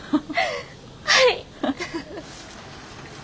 はい。